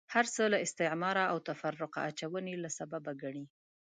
هرڅه له استعماره او تفرقه اچونې له سببه ګڼي.